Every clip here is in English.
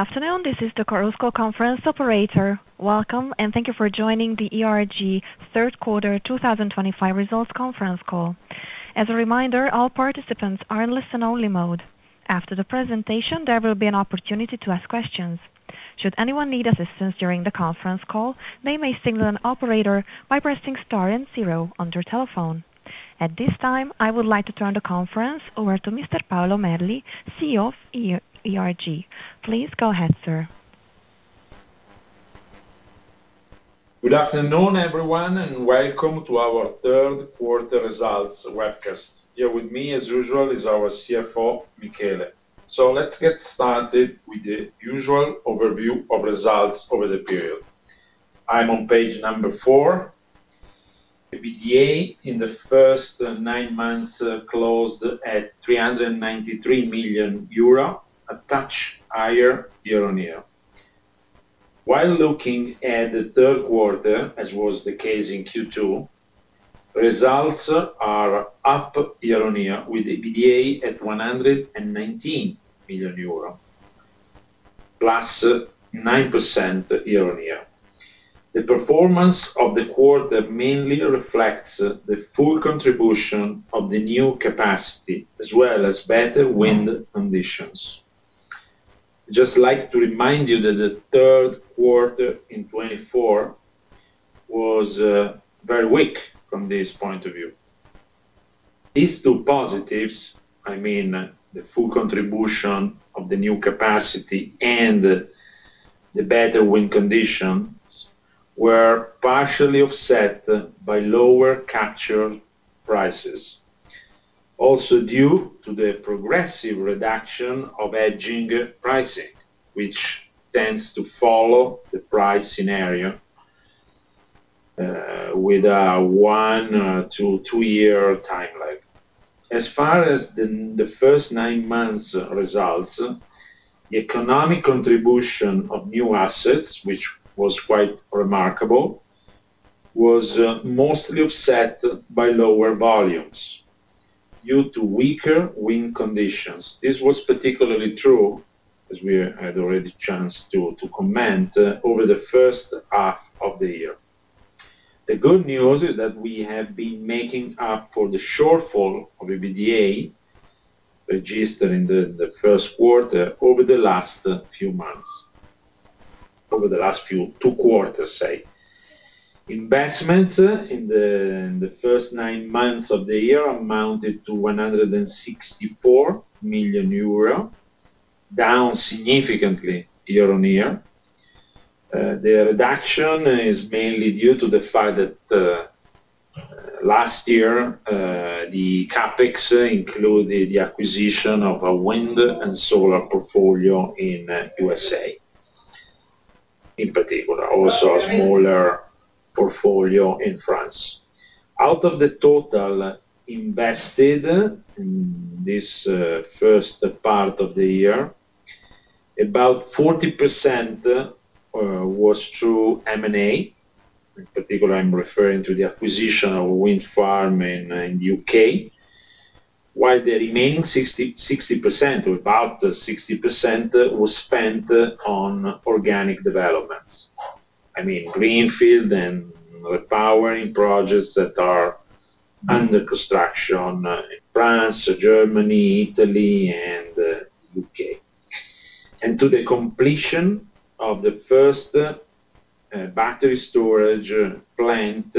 Afternoon, this is the Carusco conference operator. Welcome, and thank you for joining the ERG third quarter 2025 results conference call. As a reminder, all participants are in listen-only mode. After the presentation, there will be an opportunity to ask questions. Should anyone need assistance during the conference call, they may signal an operator by pressing star and zero on their telephone. At this time, I would like to turn the conference over to Mr. Paolo Merli, CEO of ERG. Please go ahead, sir. Good afternoon, everyone, and welcome to our third quarter results webcast. Here with me, as usual, is our CFO, Michele. Let's get started with the usual overview of results over the period. I'm on page number four. The EBITDA in the first nine months closed at 393 million euro, a touch higher year-on-year. While looking at the third quarter, as was the case in Q2, results are up year on year with EBITDA at 119 million euro, plus 9% year-on-year. The performance of the quarter mainly reflects the full contribution of the new capacity, as well as better wind conditions. I'd just like to remind you that the third quarter in 2024 was very weak from this point of view. These two positives, I mean the full contribution of the new capacity and the better wind conditions, were partially offset by lower capture prices, also due to the progressive reduction of hedging pricing, which tends to follow the price scenario with a one- to two-year time lag. As far as the first nine months' results, the economic contribution of new assets, which was quite remarkable, was mostly offset by lower volumes due to weaker wind conditions. This was particularly true, as we had already a chance to comment, over the first half of the year. The good news is that we have been making up for the shortfall of the EBITDA registered in the first quarter over the last few months, over the last two quarters, say. Investments in the first nine months of the year amounted to 164 million euro, down significantly year on year. The reduction is mainly due to the fact that last year the CapEx included the acquisition of a wind and solar portfolio in the U.S., in particular, also a smaller portfolio in France. Out of the total invested in this first part of the year, about 40% was through M&A. In particular, I'm referring to the acquisition of a wind farm in the U.K., while the remaining 60%, or about 60%, was spent on organic developments, I mean greenfield and repowering projects that are under construction in France, Germany, Italy, and the U.K., and to the completion of the first battery storage plant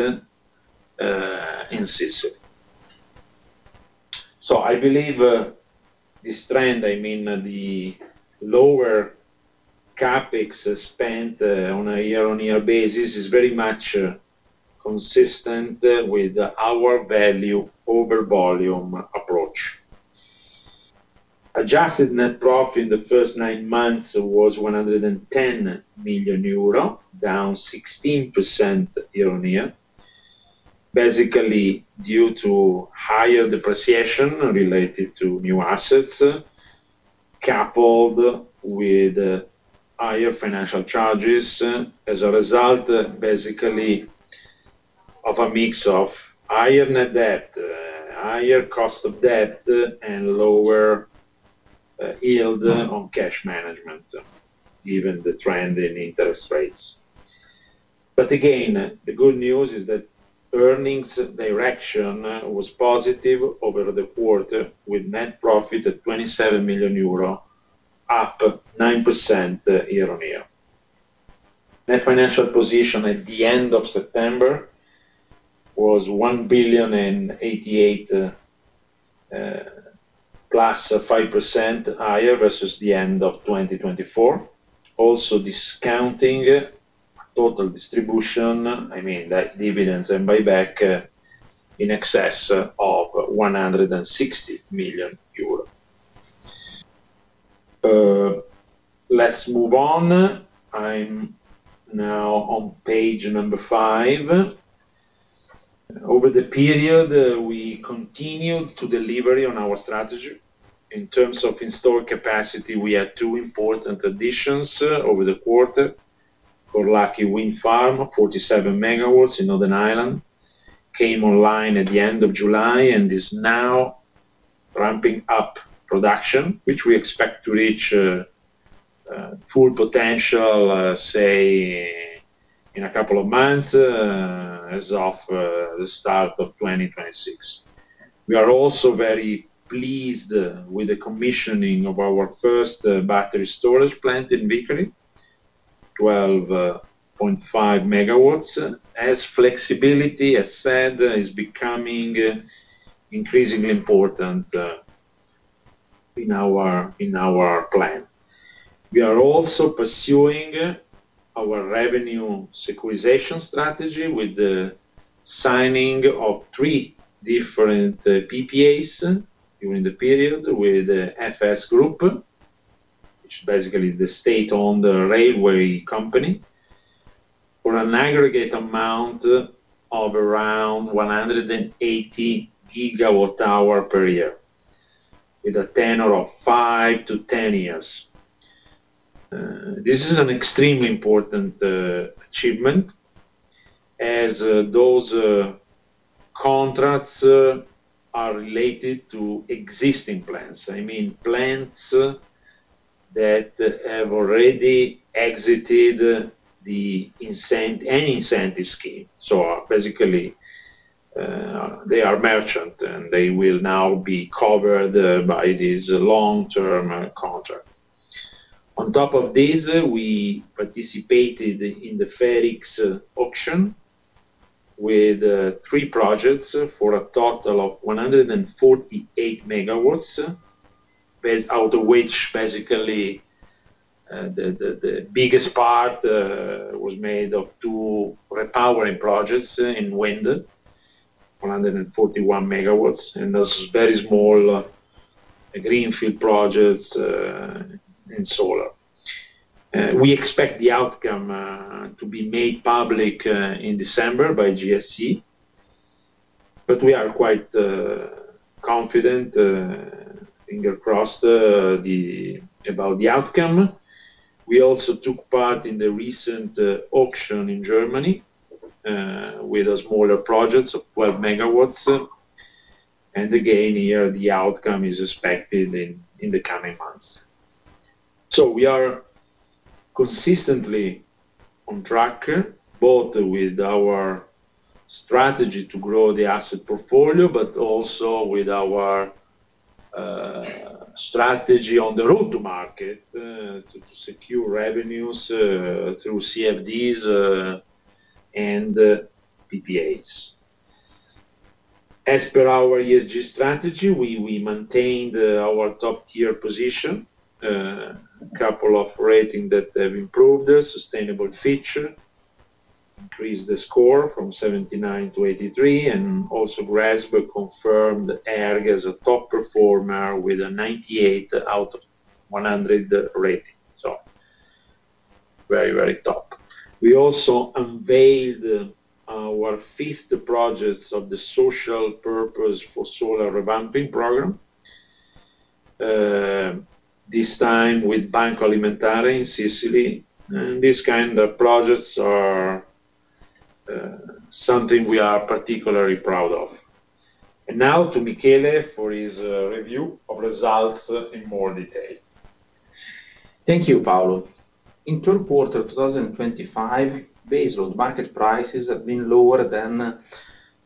in Sicily. I believe this trend, I mean the lower CapEx spent on a year-on-year basis, is very much consistent with our value over volume approach. Adjusted net profit in the first nine months was 110 million euro, down 16% year-on-year, basically due to higher depreciation related to new assets coupled with higher financial charges as a result, basically, of a mix of higher net debt, higher cost of debt, and lower yield on cash management, given the trend in interest rates. Again, the good news is that earnings direction was positive over the quarter, with net profit at 27 million euro, up 9% year-on-year. Net financial position at the end of September was EUR 1 billion 88 million, plus 5% higher versus the end of 2024, also discounting total distribution, I mean dividends and buyback, in excess of EUR 160 million. Let's move on. I'm now on page number five. Over the period, we continued to deliver on our strategy. In terms of in-store capacity, we had two important additions over the quarter. Forlock, a wind farm, 47 MW in Northern Ireland, came online at the end of July and is now ramping up production, which we expect to reach full potential, say, in a couple of months as of the start of 2026. We are also very pleased with the commissioning of our first battery storage plant in Vicari, 12.5 MW, as flexibility, as said, is becoming increasingly important in our plan. We are also pursuing our revenue securitization strategy with the signing of three different PPAs during the period with FS Group, which is basically the state-owned railway company, for an aggregate amount of around 180 GWh per year with a tenor of 5-10 years. This is an extremely important achievement as those contracts are related to existing plants, I mean plants that have already exited any incentive scheme. Basically, they are merchant, and they will now be covered by this long-term contract. On top of this, we participated in the FERX auction with three projects for a total of 148 MW, out of which basically the biggest part was made of two repowering projects in wind, 141 MW, and those very small greenfield projects in solar. We expect the outcome to be made public in December by GSE, but we are quite confident, fingers crossed, about the outcome. We also took part in the recent auction in Germany with a smaller project of 12 MW, and again, here, the outcome is expected in the coming months. We are consistently on track, both with our strategy to grow the asset portfolio, but also with our strategy on the road to market to secure revenues through CFDs and PPAs. As per our ESG strategy, we maintained our top-tier position. A couple of ratings that have improved: sustainable feature, increased the score from 79 to 83, and also GRASP confirmed ERG as a top performer with a 98 out of 100 rating. Very, very top. We also unveiled our fifth project of the social purpose for solar revamping program, this time with Banco Alimentare in Sicily. These kind of projects are something we are particularly proud of. Now to Michele for his review of results in more detail. Thank you, Paolo. In third quarter 2025, baseload market prices have been lower than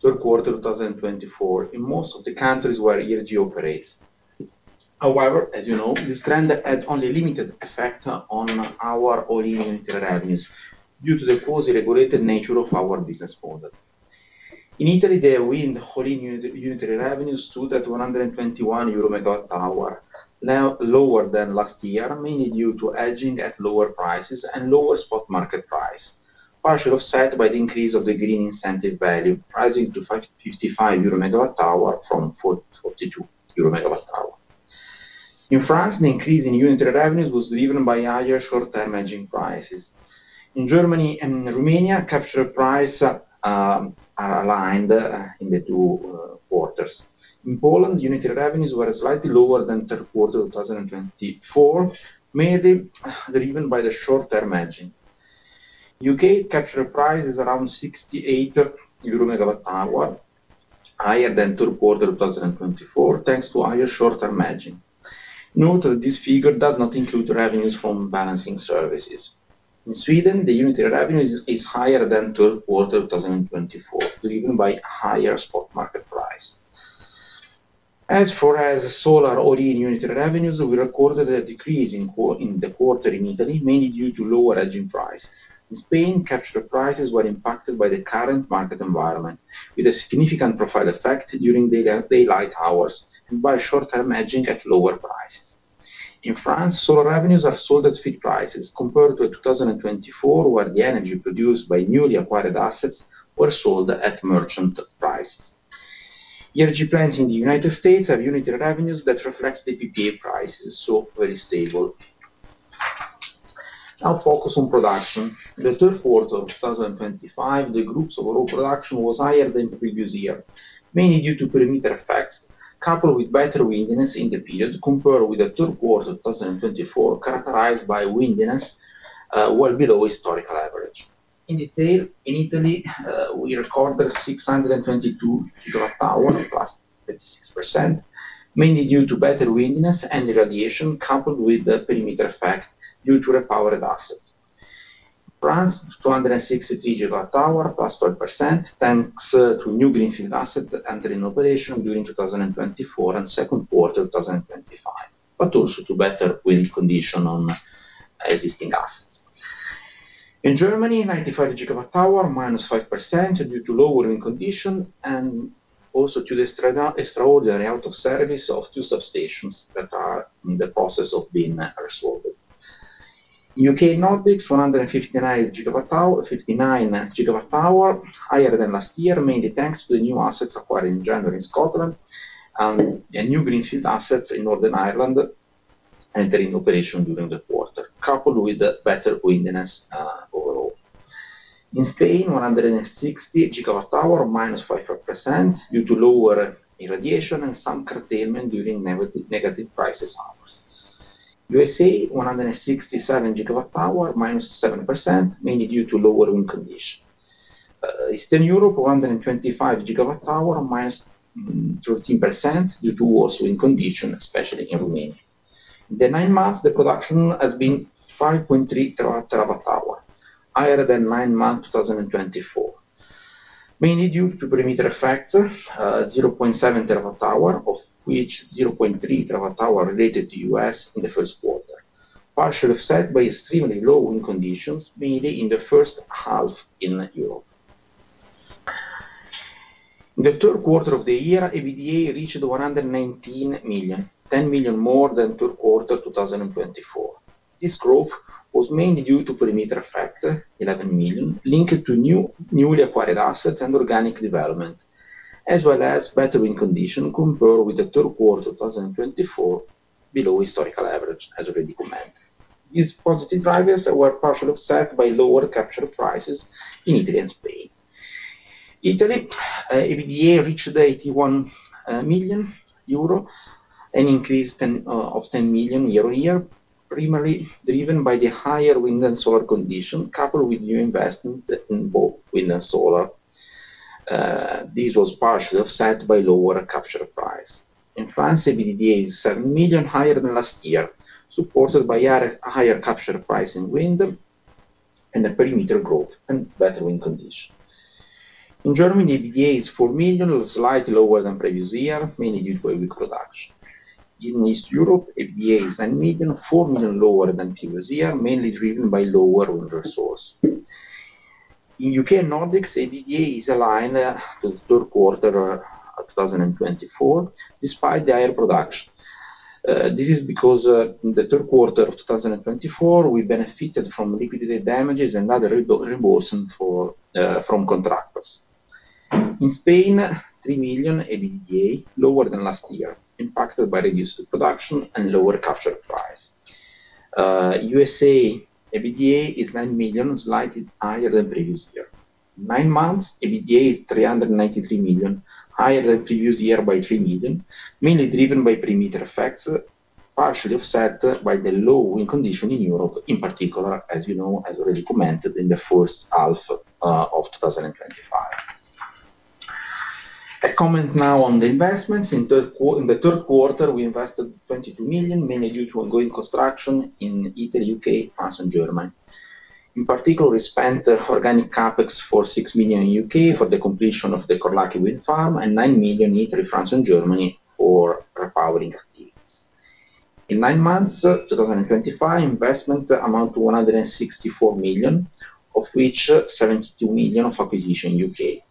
third quarter 2024 in most of the countries where ERG operates. However, as you know, this trend had only limited effect on our whole unit revenues due to the closely regulated nature of our business model. In Italy, the wind whole unit revenues stood at 121 euro per MWh, lower than last year, mainly due to hedging at lower prices and lower spot market price, partially offset by the increase of the green incentive value, rising to 55 euro per megawatt-hour from 42 euro per megawatt-hour. In France, the increase in unit revenues was driven by higher short-term hedging prices. In Germany and Romania, capture prices are aligned in the two quarters. In Poland, unit revenues were slightly lower than third quarter 2024, mainly driven by the short-term hedging. U.K. capture price is around 68 euro per MWh, higher than third quarter 2024, thanks to higher short-term hedging. Note that this figure does not include revenues from balancing services. In Sweden, the unit revenue is higher than third quarter 2024, driven by higher spot market price. As far as solar whole unit revenues, we recorded a decrease in the quarter in Italy, mainly due to lower hedging prices. In Spain, capture prices were impacted by the current market environment, with a significant profile effect during daylight hours and by short-term hedging at lower prices. In France, solar revenues are sold at fixed prices compared to 2024, where the energy produced by newly acquired assets was sold at merchant prices. ERG plants in the U.S. have unit revenues that reflect the PPA prices, so very stable. Now, focus on production. In the third quarter of 2025, the group's overall production was higher than the previous year, mainly due to perimeter effects coupled with better windiness in the period compared with the third quarter 2024, characterized by windiness well below historical average. In detail, in Italy, we recorded 622 GWh, plus 36%, mainly due to better windiness and irradiation coupled with perimeter effect due to repowered assets. In France, 263 GWh, plus 12%, thanks to new greenfield asset and renovation during 2024 and second quarter 2025, but also to better wind condition on existing assets. In Germany, 95 GWh, minus 5% due to lower wind condition and also to the extraordinary out-of-service of two substations that are in the process of being resolved. In U.K. Nordics, 159 GWh, higher than last year, mainly thanks to the new assets acquired in January in Scotland and new greenfield assets in Northern Ireland entering operation during the quarter, coupled with better windiness overall. In Spain, 160 GWh, -5%, due to lower irradiation and some curtailment during negative prices hours. U.S.A., 167 GWh, -7%, mainly due to lower wind condition. Eastern Europe, 125 GWh, -13% due to worse wind condition, especially in Romania. In the nine months, the production has been 5.3 terawatt-hour, higher than nine months 2024, mainly due to perimeter effects, 0.7 TWh, of which 0.3 TWh related to U.S. in the first quarter, partially offset by extremely low wind conditions, mainly in the first half in Europe. In the third quarter of the year, EBITDA reached 119 million, 10 million more than third quarter 2024. This growth was mainly due to perimeter effect, 11 million, linked to newly acquired assets and organic development, as well as better wind condition compared with the third quarter 2024, below historical average, as already commented. These positive drivers were partially offset by lower capture prices in Italy and Spain. Italy, EBITDA reached 81 million euro, an increase of 10 million year on year, primarily driven by the higher wind and solar condition coupled with new investment in both wind and solar. This was partially offset by lower capture price. In France, EBITDA is 7 million, higher than last year, supported by higher capture price in wind and perimeter growth and better wind condition. In Germany, EBITDA is 4 million, slightly lower than previous year, mainly due to a weak production. In Eastern Europe, EBITDA is 9 million, 4 million lower than previous year, mainly driven by lower wind resource. In U.K. and Nordics, EBITDA is aligned to the third quarter of 2024, despite the higher production. This is because in the third quarter of 2024, we benefited from liquidated damages and other reimbursements from contractors. In Spain, 3 million EBITDA, lower than last year, impacted by reduced production and lower capture price. U.S.A. EBITDA is 9 million, slightly higher than previous year. Nine months, EBITDA is 393 million, higher than previous year by 3 million, mainly driven by perimeter effects, partially offset by the low wind condition in Europe, in particular, as you know, as already commented in the first half of 2025. A comment now on the investments. In the third quarter, we invested 22 million, mainly due to ongoing construction in Italy, U.K., France, and Germany. In particular, we spent organic CapEx for 6 million for the completion of the Forlock wind farm and 9 million in Italy, France, and Germany for repowering activities. In nine months 2025, investment amounted to 164 million, of which 72 million of acquisition in the U.K.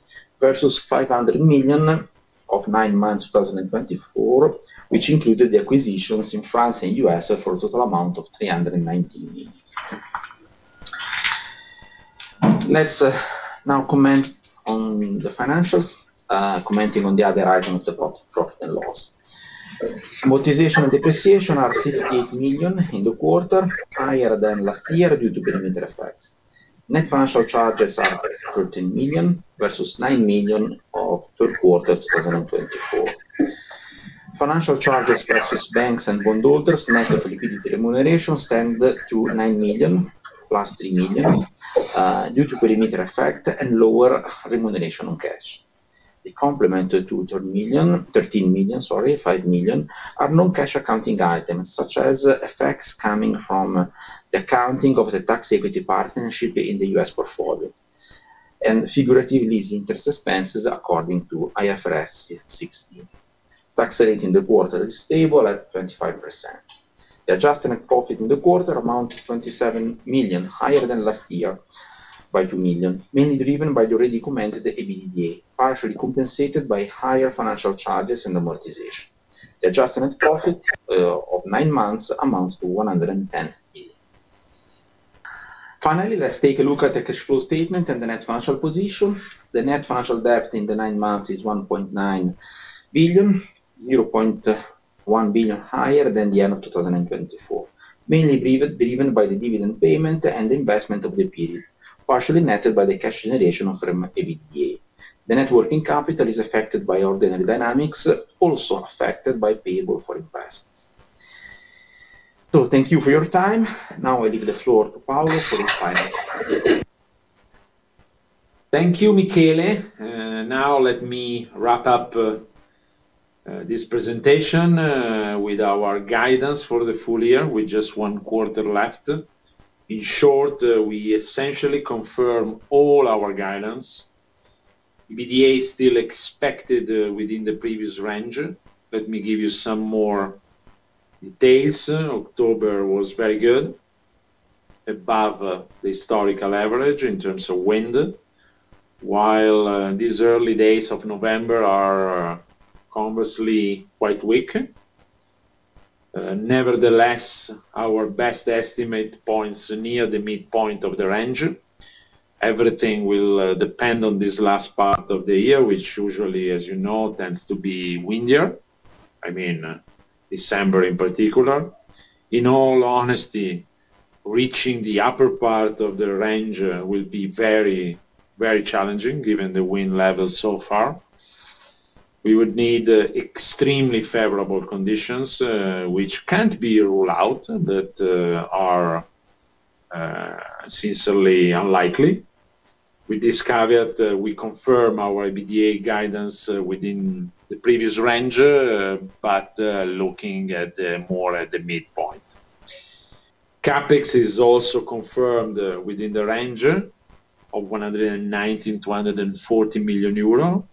versus 500 million of nine months 2024, which included the acquisitions in France and the U.S. for a total amount of 319 million. Let's now comment on the financials, commenting on the other item of the profit and loss. Amortization and depreciation are 68 million in the quarter, higher than last year due to perimeter effects. Net financial charges are 13 million versus 9 million of third quarter 2024. Financial charges versus banks and bondholders net of liquidity remuneration stand at 9 million, plus 3 million due to perimeter effect and lower remuneration on cash. They complemented to 13 million, sorry, 5 million are non-cash accounting items, such as effects coming from the accounting of the tax equity partnership in the U.S. portfolio and figuratively interest expenses according to IFRS 16. Tax rate in the quarter is stable at 25%. The adjusted net profit in the quarter amounted to 27 million, higher than last year by 2 million, mainly driven by the already commented EBITDA, partially compensated by higher financial charges and amortization. The adjusted net profit of nine months amounts to 110 million. Finally, let's take a look at the cash flow statement and the net financial position. The net financial debt in the nine months is 1.9 billion, 0.1 billion higher than the end of 2024, mainly driven by the dividend payment and investment of the period, partially netted by the cash generation of EBITDA. The networking capital is affected by ordinary dynamics, also affected by payable for investments. Thank you for your time. Now I leave the floor to Paolo for his final. Thank you, Michele. Now let me wrap up this presentation with our guidance for the full year. With just one quarter left. In short, we essentially confirm all our guidance. EBITDA is still expected within the previous range. Let me give you some more details. October was very good, above the historical average in terms of wind, while these early days of November are conversely quite weak. Nevertheless, our best estimate points near the midpoint of the range. Everything will depend on this last part of the year, which usually, as you know, tends to be windier, I mean, December in particular. In all honesty, reaching the upper part of the range will be very, very challenging given the wind levels so far. We would need extremely favorable conditions, which can't be ruled out, but are sincerely unlikely. With this caveat, we confirm our EBITDA guidance within the previous range, but looking more at the midpoint. CapEx is also confirmed within the range of 119 million-140 million euro,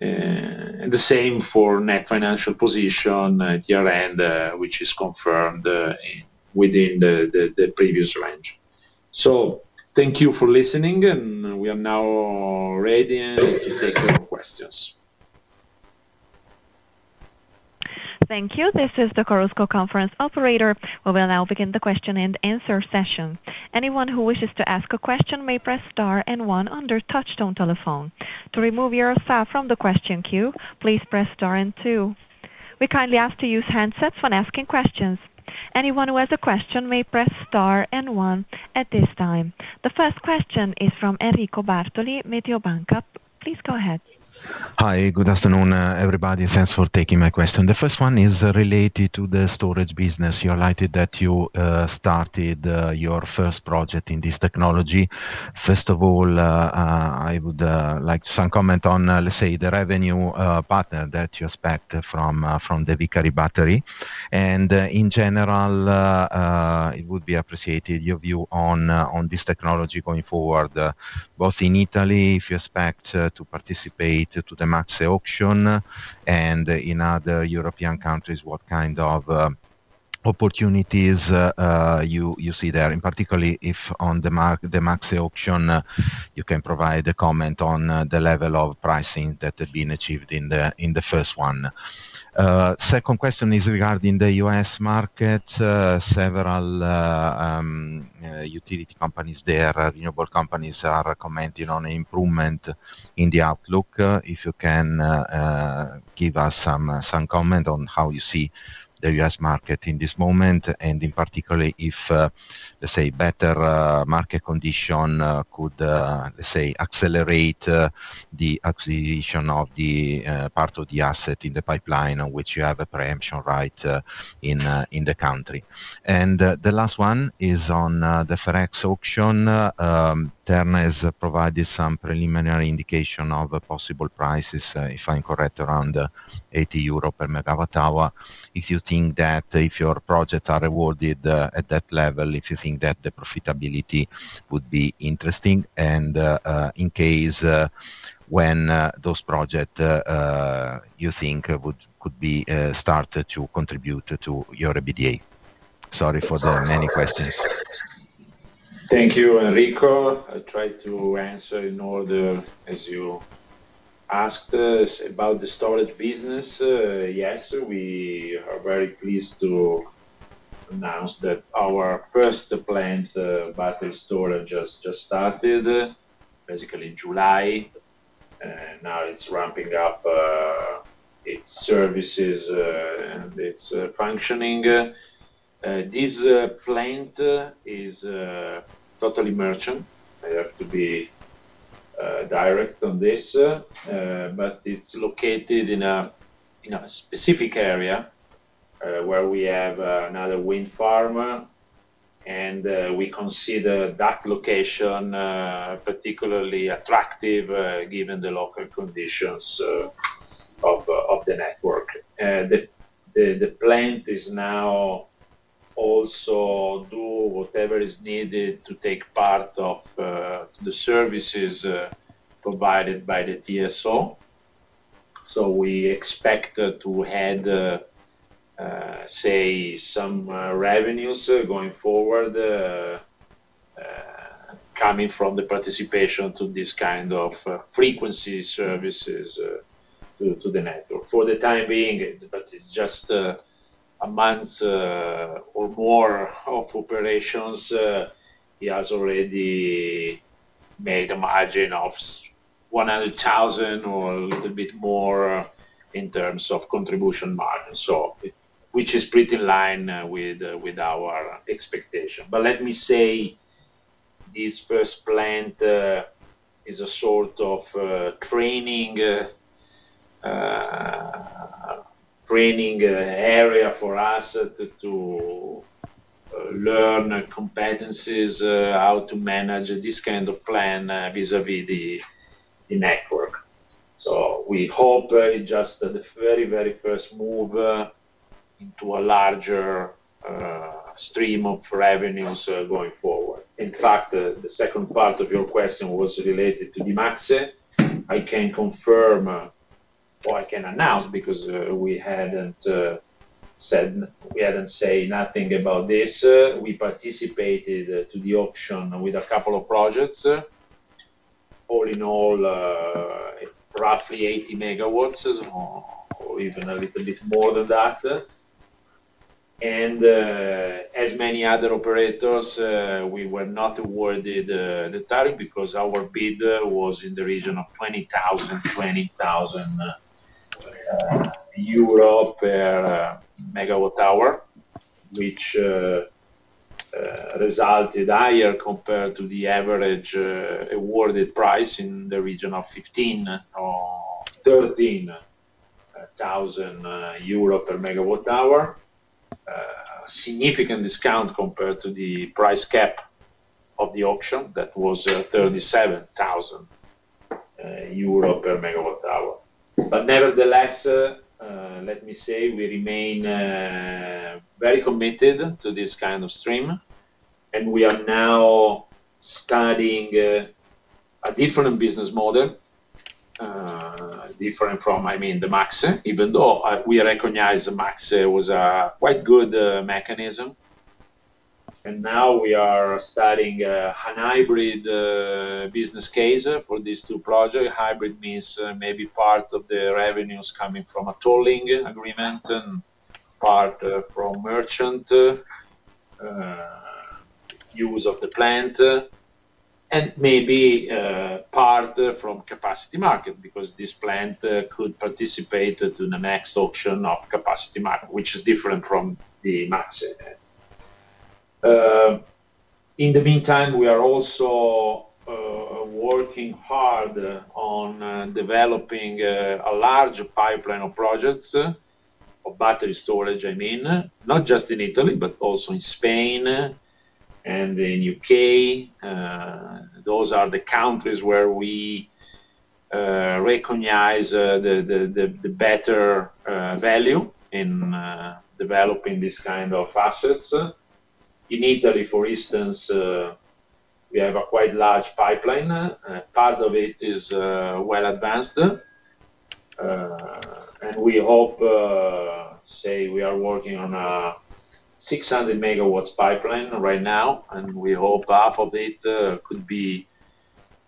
and the same for net financial position at year-end, which is confirmed within the previous range. Thank you for listening, and we are now ready to take questions. Thank you. This is the Carusco Conference operator. We will now begin the question and answer session. Anyone who wishes to ask a question may press star and one on their touch-tone telephone. To remove yourself from the question queue, please press star and two. We kindly ask you to use handsets when asking questions. Anyone who has a question may press star and one at this time. The first question is from Enrico Bartoli, Mediobanca. Please go ahead. Hi, good afternoon, everybody. Thanks for taking my question. The first one is related to the storage business. You highlighted that you started your first project in this technology. First of all, I would like some comment on, let's say, the revenue pattern that you expect from the Vicari battery. And in general, it would be appreciated your view on this technology going forward, both in Italy, if you expect to participate to the MACSE Auction, and in other European countries, what kind of opportunities you see there. In particular, if on the MACSE Auction, you can provide a comment on the level of pricing that had been achieved in the first one. Second question is regarding the U.S. market. Several utility companies there, renewable companies, are commenting on improvement in the outlook. If you can give us some comment on how you see the U.S. market in this moment, and in particular, if, let's say, better market condition could, let's say, accelerate the acquisition of part of the asset in the pipeline on which you have a preemption right in the country. The last one is on the FERX auction. Theranos provided some preliminary indication of possible prices, if I'm correct, around 80 euro per megawatt-hour. If you think that if your projects are awarded at that level, if you think that the profitability would be interesting, and in case when those projects you think could be started to contribute to your EBITDA. Sorry for the many questions. Thank you, Enrico. I'll try to answer in order as you asked about the storage business. Yes, we are very pleased to announce that our first battery storage plant just started, basically in July. Now it is ramping up its services and its functioning. This plant is totally merchant. I have to be direct on this, but it is located in a specific area where we have another wind farm, and we consider that location particularly attractive given the local conditions of the network. The plant is now also doing whatever is needed to take part in the services provided by the TSO. We expect to have, say, some revenues going forward coming from the participation in this kind of frequency services to the network. For the time being, but it's just a month or more of operations, it has already made a margin of 100,000 or a little bit more in terms of contribution margin, which is pretty in line with our expectation. Let me say this first plant is a sort of training area for us to learn competencies, how to manage this kind of plant vis-à-vis the network. We hope just the very, very first move into a larger stream of revenues going forward. In fact, the second part of your question was related to the MACSE. I can confirm, or I can announce because we hadn't said nothing about this. We participated to the auction with a couple of projects, all in all roughly 80 MW or even a little bit more than that. As many other operators, we were not awarded the target because our bid was in the region of 20,000-20,000 euro per megawatt-hour, which resulted higher compared to the average awarded price in the region of 15,000 or 13,000 euro per MWh, a significant discount compared to the price cap of the auction that was 37,000 euro per megawatt-hour. Nevertheless, let me say we remain very committed to this kind of stream, and we are now studying a different business model, different from, I mean, the MACSE, even though we recognize the MACSE was a quite good mechanism. Now we are studying a hybrid business case for these two projects. Hybrid means maybe part of the revenues coming from a tolling agreement and part from merchant use of the plant, and maybe part from capacity market because this plant could participate to the next auction of capacity market, which is different from the MACSE. In the meantime, we are also working hard on developing a large pipeline of projects of battery storage, I mean, not just in Italy, but also in Spain and in the U.K. Those are the countries where we recognize the better value in developing this kind of assets. In Italy, for instance, we have a quite large pipeline. Part of it is well advanced, and we hope, say, we are working on a 600 MW pipeline right now, and we hope half of it could be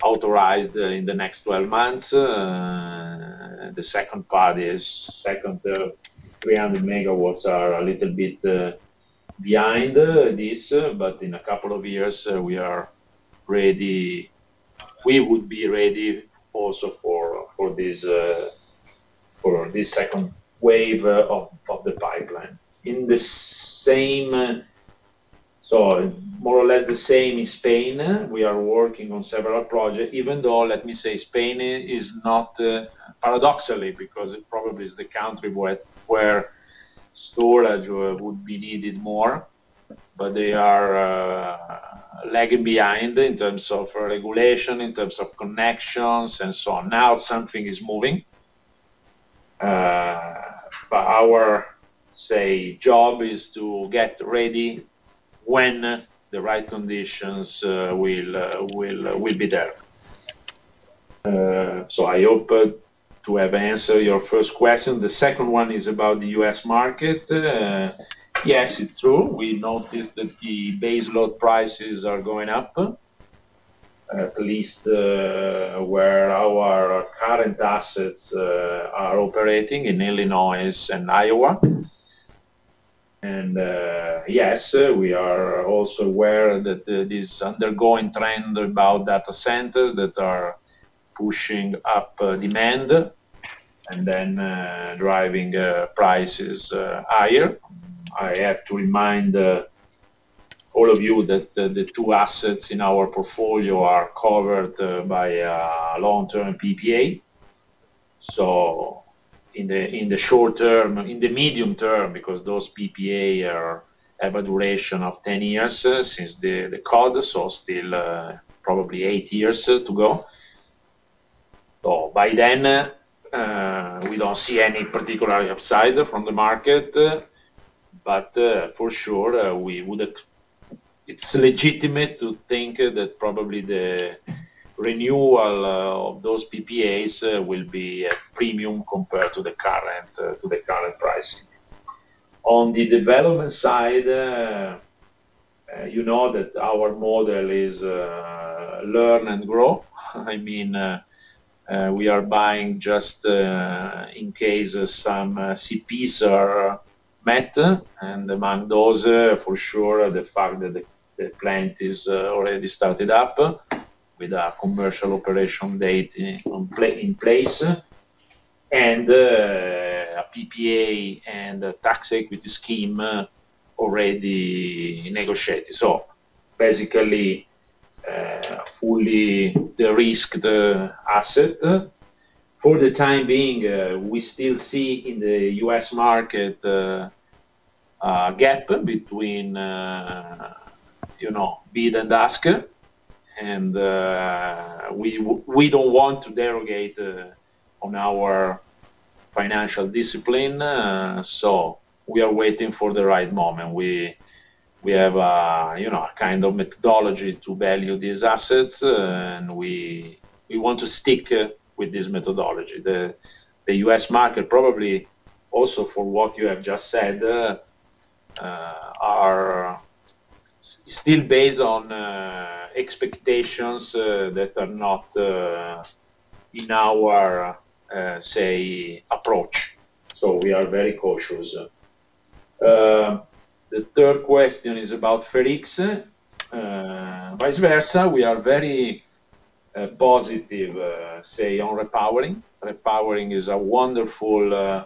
authorized in the next 12 months. The second part is second, 300 MW are a little bit behind this, but in a couple of years, we would be ready also for this second wave of the pipeline. In the same, so more or less the same in Spain, we are working on several projects, even though, let me say, Spain is not paradoxically because it probably is the country where storage would be needed more, but they are lagging behind in terms of regulation, in terms of connections, and so on. Now something is moving, but our, say, job is to get ready when the right conditions will be there. I hope to have answered your first question. The second one is about the U.S. market. Yes, it's true. We noticed that the base load prices are going up, at least where our current assets are operating in Illinois and Iowa. Yes, we are also aware that this undergoing trend about data centers that are pushing up demand and then driving prices higher. I have to remind all of you that the two assets in our portfolio are covered by long-term PPA. In the short term, in the medium term, because those PPA have a duration of 10 years since the COD, so still probably eight years to go. By then, we do not see any particular upside from the market, but for sure, it is legitimate to think that probably the renewal of those PPAs will be at a premium compared to the current price. On the development side, you know that our model is learn and grow. I mean, we are buying just in case some CPs are met, and among those, for sure, the fact that the plant is already started up with a commercial operation date in place and a PPA and tax equity scheme already negotiated. Basically, fully de-risked asset. For the time being, we still see in the U.S. market a gap between bid and ask, and we do not want to derogate on our financial discipline. We are waiting for the right moment. We have a kind of methodology to value these assets, and we want to stick with this methodology. The U.S. market, probably also for what you have just said, is still based on expectations that are not in our, say, approach. We are very cautious. The third question is about FERX. Vice versa, we are very positive, say, on repowering. Repowering is a wonderful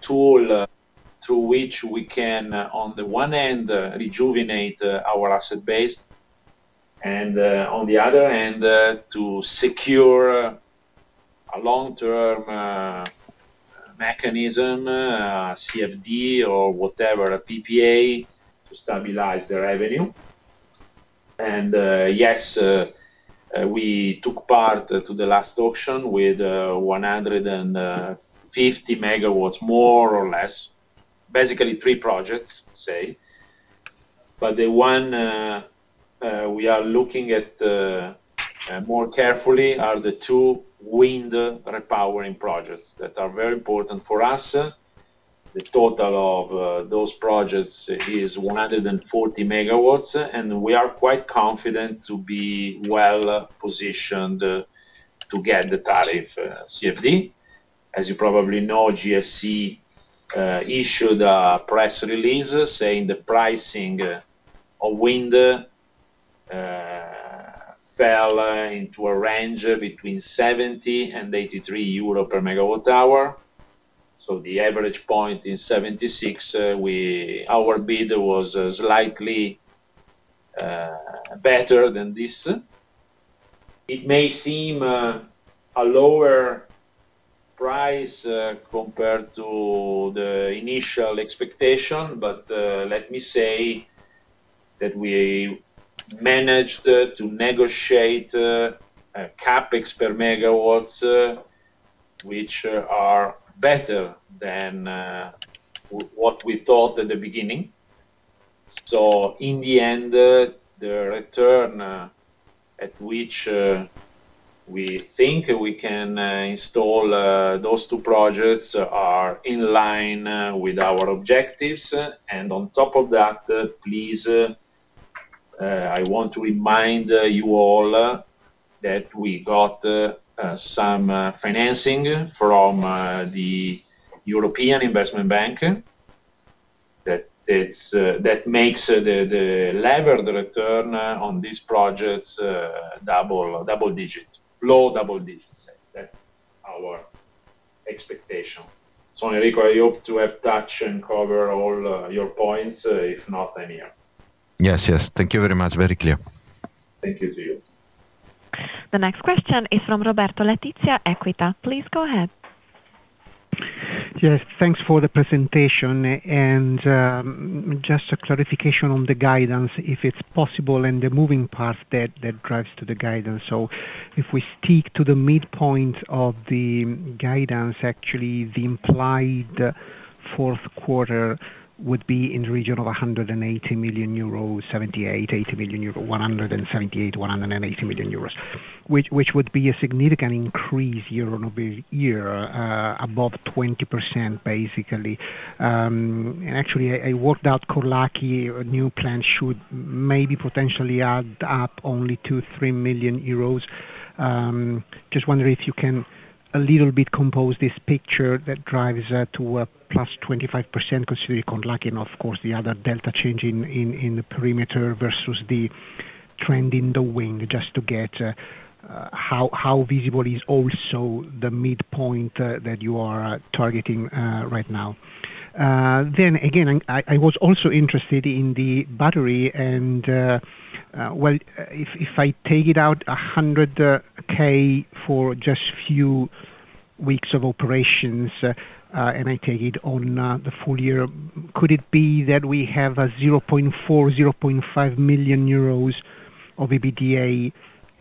tool through which we can, on the one end, rejuvenate our asset base and, on the other end, to secure a long-term mechanism, CFD or whatever, a PPA to stabilize the revenue. Yes, we took part to the last auction with 150 MW more or less, basically three projects, say. The one we are looking at more carefully are the two wind repowering projects that are very important for us. The total of those projects is 140 MW, and we are quite confident to be well positioned to get the tariff CFD. As you probably know, GSE issued a press release saying the pricing of wind fell into a range between 70-83 euro per MWh. The average point is 76. Our bid was slightly better than this. It may seem a lower price compared to the initial expectation, but let me say that we managed to negotiate CapEx per megawatts, which are better than what we thought at the beginning. In the end, the return at which we think we can install those two projects are in line with our objectives. On top of that, please, I want to remind you all that we got some financing from the European Investment Bank that makes the levered return on these projects double digit, low double digit. That is our expectation. Enrico, I hope to have touched and covered all your points. If not, I am here. Yes, yes. Thank you very much. Very clear. Thank you to you. The next question is from Roberto Letizia, Equita. Please go ahead. Yes. Thanks for the presentation. Just a clarification on the guidance, if it's possible, and the moving part that drives to the guidance. If we stick to the midpoint of the guidance, actually the implied fourth quarter would be in the region of 178-180 million euros, which would be a significant increase year on year, above 20% basically. Actually, I worked out Corlacky new plant should maybe potentially add up only 2 million-3 million euros. Just wondering if you can a little bit compose this picture that drives to a plus 25% considering Corlacky and, of course, the other delta change in the perimeter versus the trend in the wind, just to get how visible is also the midpoint that you are targeting right now. I was also interested in the battery and, if I take it out 100,000 for just a few weeks of operations and I take it on the full year, could it be that we have 400,000-500,000 euros of EBITDA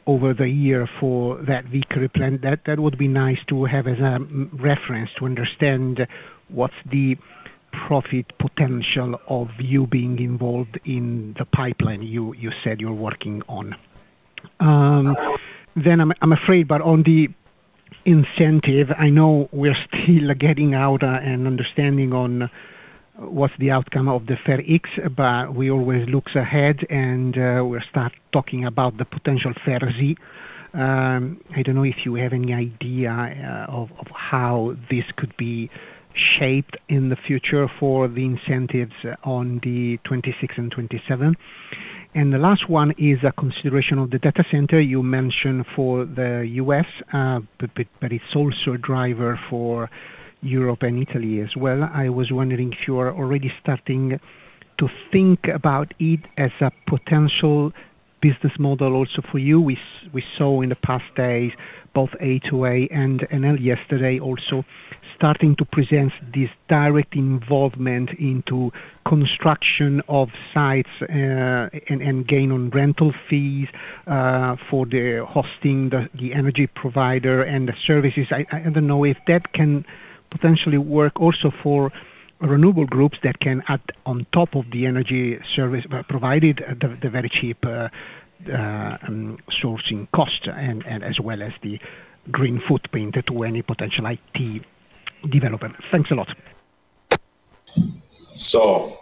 over the year for that Vicari plant? That would be nice to have as a reference to understand what's the profit potential of you being involved in the pipeline you said you're working on. I'm afraid, on the incentive, I know we're still getting out and understanding what's the outcome of the FERX, but we always look ahead and we'll start talking about the potential FERX. I don't know if you have any idea of how this could be shaped in the future for the incentives on the 26th and 27th. The last one is a consideration of the data center you mentioned for the U.S., but it's also a driver for Europe and Italy as well. I was wondering if you are already starting to think about it as a potential business model also for you. We saw in the past days both A2A and Enel yesterday also starting to present this direct involvement into construction of sites and gain on rental fees for the hosting, the energy provider, and the services. I don't know if that can potentially work also for renewable groups that can add on top of the energy service provided the very cheap sourcing cost and as well as the green footprint to any potential IT development. Thanks a lot.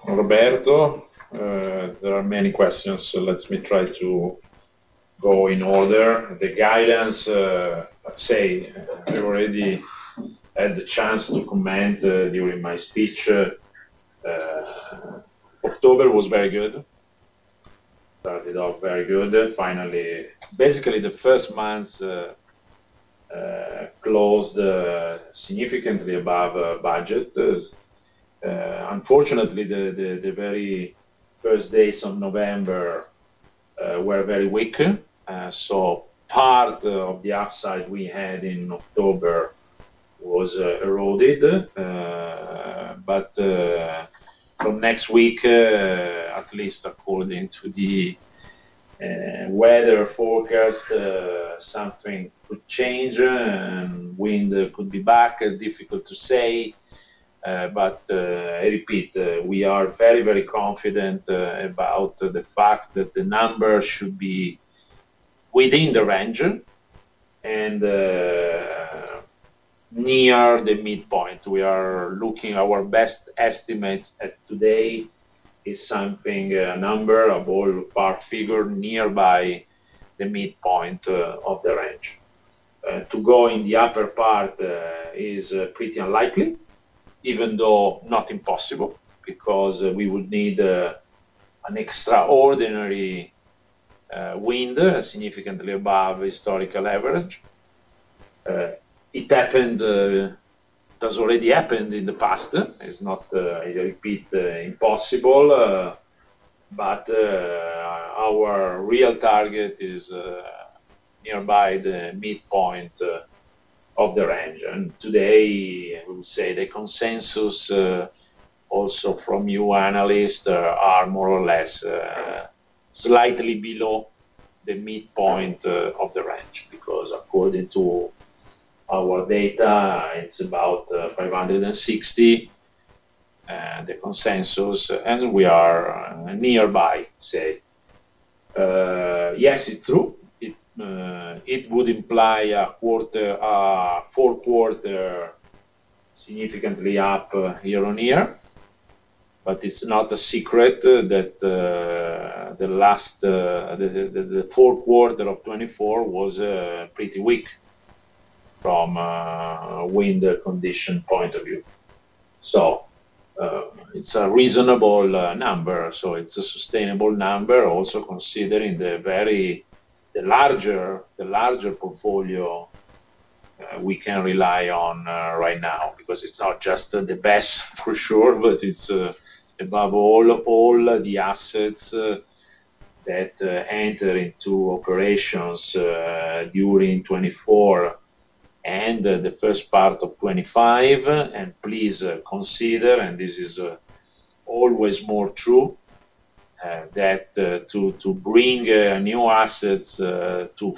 Roberto, there are many questions. Let me try to go in order. The guidance, I say, I already had the chance to comment during my speech. October was very good. Started off very good. Finally, basically the first months closed significantly above budget. Unfortunately, the very first days of November were very weak. Part of the upside we had in October was eroded. From next week, at least according to the weather forecast, something could change. Wind could be back. Difficult to say. I repeat, we are very, very confident about the fact that the number should be within the range and near the midpoint. We are looking at our best estimates at today is something, a number of all part figure nearby the midpoint of the range. To go in the upper part is pretty unlikely, even though not impossible, because we would need an extraordinary wind significantly above historical average. It happened, has already happened in the past. It's not, I repeat, impossible. Our real target is nearby the midpoint of the range. Today, we will say the consensus also from you analysts are more or less slightly below the midpoint of the range, because according to our data, it's about 560 million, the consensus, and we are nearby, say. Yes, it's true. It would imply a fourth quarter significantly up year on year. It's not a secret that the last fourth quarter of 2024 was pretty weak from a wind condition point of view. It's a reasonable number. It is a sustainable number, also considering the larger portfolio we can rely on right now, because it is not just the best for sure, but it is above all of all the assets that enter into operations during 2024 and the first part of 2025. Please consider, and this is always more true, that to bring new assets to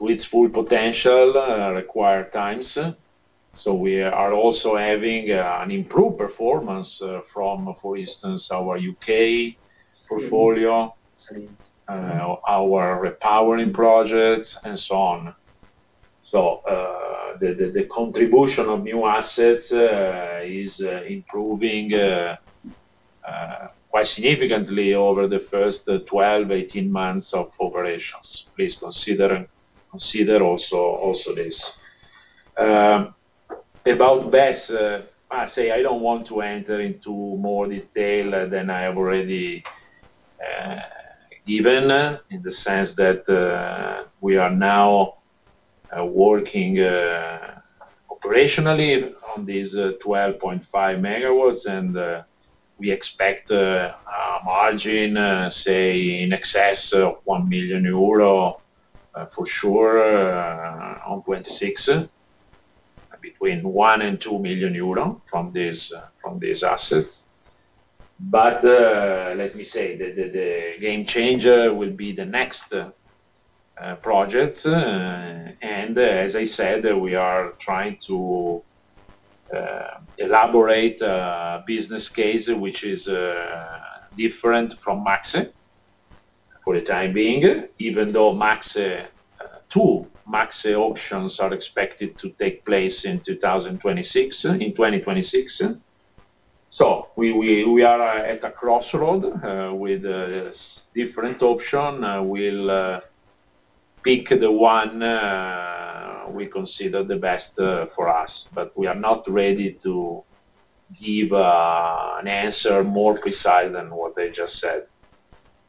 its full potential requires time. We are also having an improved performance from, for instance, our U.K. portfolio, our repowering projects, and so on. The contribution of new assets is improving quite significantly over the first 12-18 months of operations. Please consider also this. About BESS, I say I do not want to enter into more detail than I have already given in the sense that we are now working operationally on these 12.5 MW, and we expect a margin, say, in excess of 1 million euro for sure on 2026, between 1 million and 2 million euro from these assets. Let me say that the game changer will be the next projects. As I said, we are trying to elaborate a business case which is different from MACSE for the time being, even though two MACSE auctions are expected to take place in 2026. We are at a crossroad with different options. We will pick the one we consider the best for us, but we are not ready to give an answer more precise than what I just said.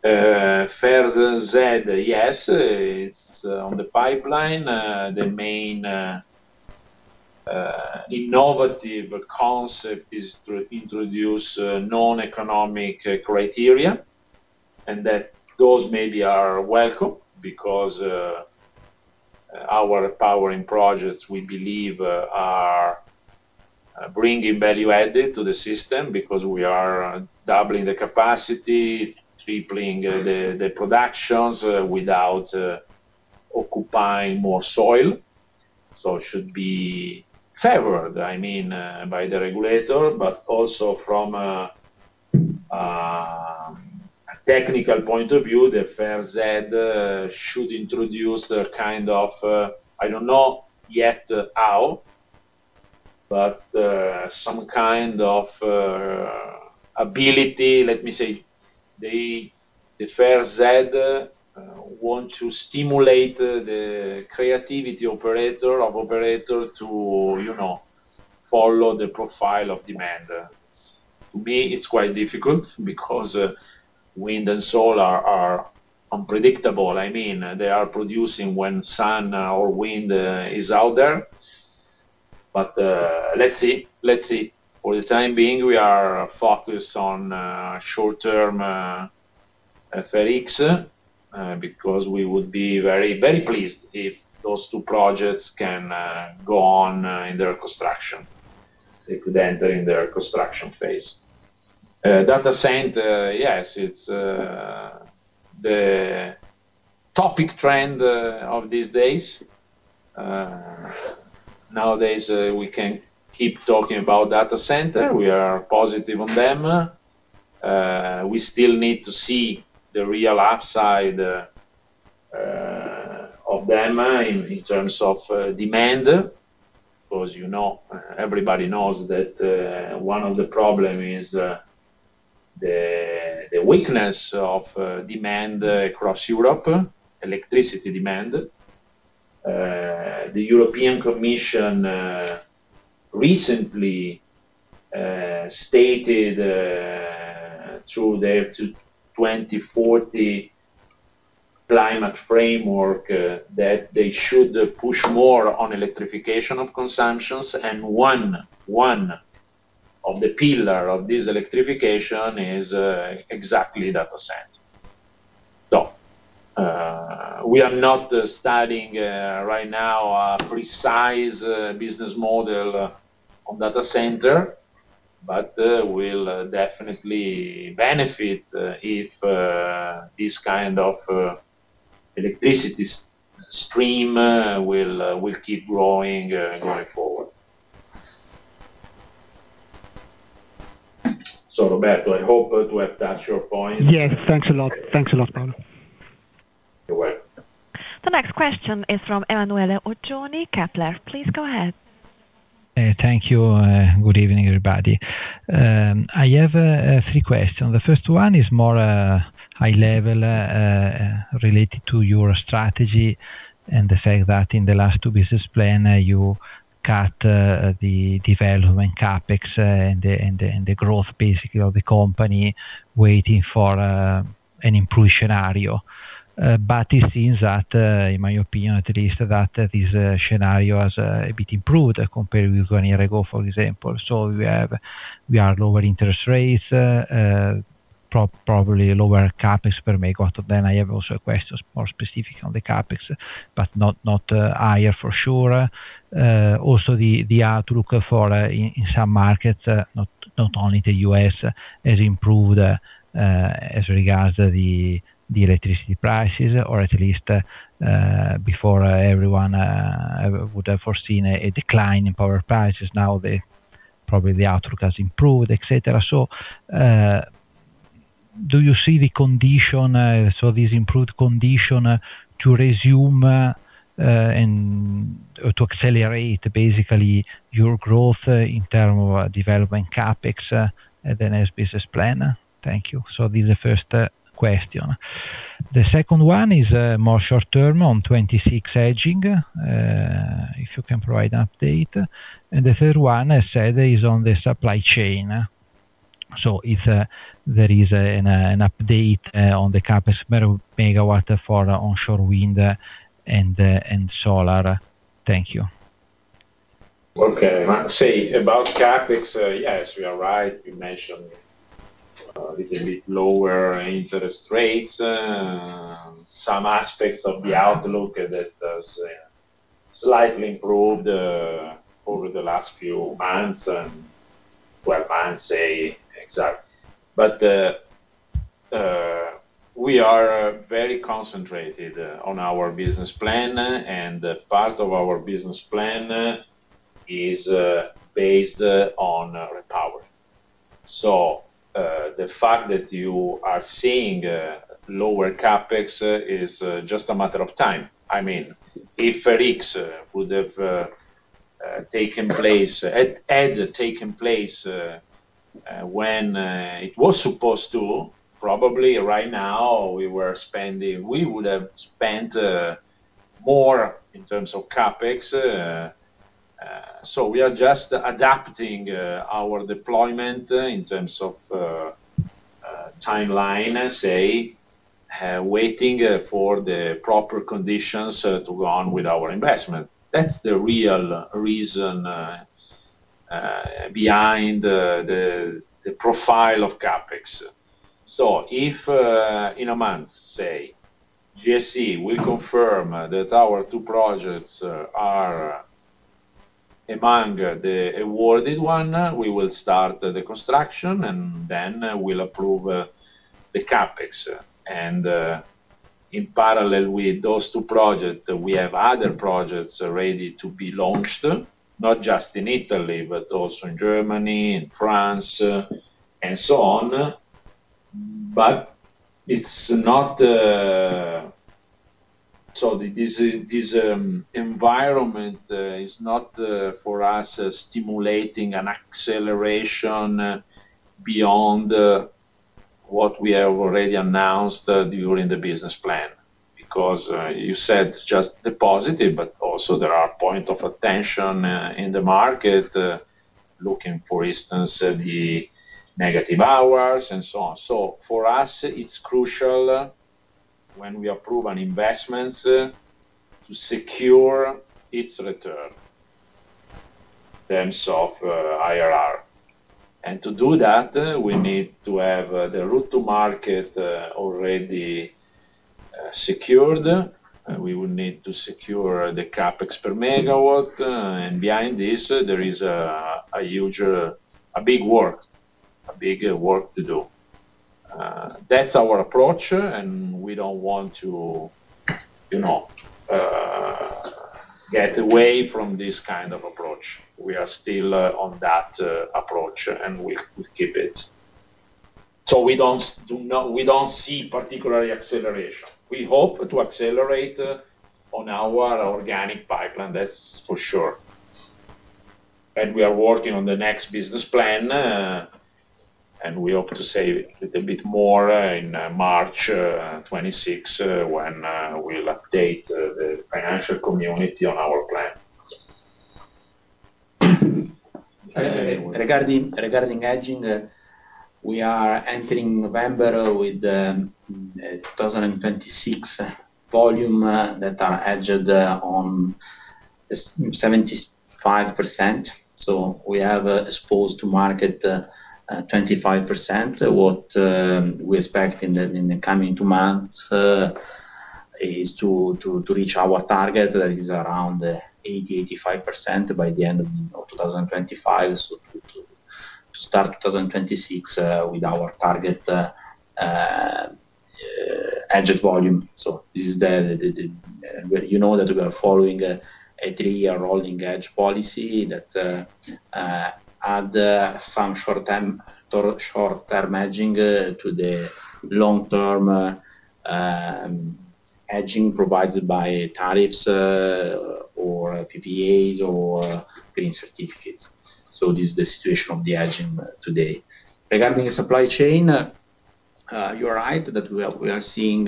FERX, yes, it is on the pipeline. The main innovative concept is to introduce non-economic criteria, and those maybe are welcome because our repowering projects we believe are bringing value added to the system because we are doubling the capacity, tripling the productions without occupying more soil. It should be favored, I mean, by the regulator, but also from a technical point of view, the FERX should introduce a kind of, I do not know yet how, but some kind of ability. Let me say the FERX wants to stimulate the creativity of operator to follow the profile of demand. To me, it is quite difficult because wind and solar are unpredictable. I mean, they are producing when sun or wind is out there. Let us see. Let us see. For the time being, we are focused on short-term FERX because we would be very, very pleased if those two projects can go on in their construction, if they could enter in their construction phase. Data center, yes, it's the topic trend of these days. Nowadays, we can keep talking about data center. We are positive on them. We still need to see the real upside of them in terms of demand, because everybody knows that one of the problems is the weakness of demand across Europe, electricity demand. The European Commission recently stated through their 2040 climate framework that they should push more on electrification of consumptions. One of the pillars of this electrification is exactly data center. We are not studying right now a precise business model on data center, but we'll definitely benefit if this kind of electricity stream will keep growing going forward. Roberto, I hope to have touched your point. Yes. Thanks a lot. Thanks a lot, Paolo. You're welcome. The next question is from Emanuele Oggioni Kepler. Please go ahead. Hey, thank you. Good evening, everybody. I have three questions. The first one is more high level related to your strategy and the fact that in the last two business plans, you cut the development CapEx and the growth, basically, of the company waiting for an improved scenario. It seems that, in my opinion at least, that this scenario has a bit improved compared with one year ago, for example. We have lower interest rates, probably lower CapEx per megawatt. I have also questions more specific on the CapEx, but not higher for sure. Also, the outlook for in some markets, not only the U.S., has improved as regards to the electricity prices, or at least before everyone would have foreseen a decline in power prices. Now, probably the outlook has improved, etc. Do you see the condition, this improved condition to resume and to accelerate basically your growth in terms of development CapEx and then as business plan? Thank you. This is the first question. The second one is more short-term on 2026 hedging, if you can provide an update. The third one, as I said, is on the supply chain. If there is an update on the CapEx per megawatt for onshore wind and solar. Thank you. Okay. I say about CapEx, yes, you are right. You mentioned a little bit lower interest rates. Some aspects of the outlook have slightly improved over the last few months and 12 months, say, exact. We are very concentrated on our business plan, and part of our business plan is based on power. The fact that you are seeing lower CapEx is just a matter of time. I mean, if FERX would have taken place, had taken place when it was supposed to, probably right now we would have spent more in terms of CapEx. We are just adapting our deployment in terms of timeline, say, waiting for the proper conditions to go on with our investment. That is the real reason behind the profile of CapEx. If in a month, say, GSE will confirm that our two projects are among the awarded ones, we will start the construction, and then we'll approve the CapEx. In parallel with those two projects, we have other projects ready to be launched, not just in Italy, but also in Germany, in France, and so on. This environment is not for us stimulating an acceleration beyond what we have already announced during the business plan, because you said just the positive, but also there are points of attention in the market looking, for instance, at the negative hours and so on. For us, it is crucial when we approve an investment to secure its return in terms of IRR. To do that, we need to have the route to market already secured. We would need to secure the CapEx per megawatt. There is a big work, a big work to do behind this. That is our approach, and we do not want to get away from this kind of approach. We are still on that approach, and we keep it. We do not see particular acceleration. We hope to accelerate on our organic pipeline, that is for sure. We are working on the next business plan, and we hope to say a little bit more in March 2026 when we will update the financial community on our plan. Regarding hedging, we are entering November with the 2026 volume that are hedged on 75%. We have exposed to market 25%. What we expect in the coming two months is to reach our target, that is around 80%-85% by the end of 2025, to start 2026 with our target hedged volume. You know that we are following a three-year rolling hedge policy that adds some short-term hedging to the long-term hedging provided by tariffs or PPAs or green certificates. This is the situation of the hedging today. Regarding supply chain, you are right that we are seeing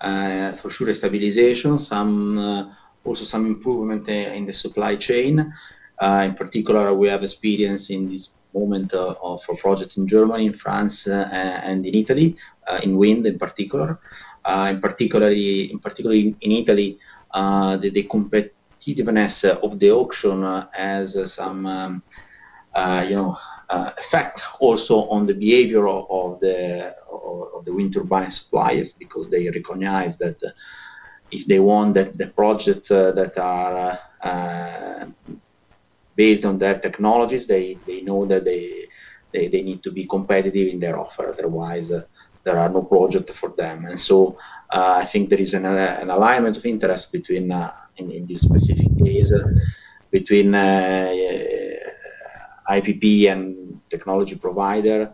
for sure a stabilization, also some improvement in the supply chain. In particular, we have experience in this moment of projects in Germany, in France, and in Italy, in wind in particular. In particular, in Italy, the competitiveness of the auction has some effect also on the behavior of the wind turbine suppliers because they recognize that if they want the projects that are based on their technologies, they know that they need to be competitive in their offer. Otherwise, there are no projects for them. I think there is an alignment of interest in this specific case between IPP and technology provider